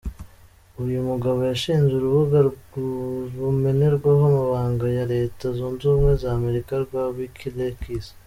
Uyu mugabo yashinze urubuga rumenerwaho amabanga ya Leta zunze ubumwe za Amerika rwa Wikileaks.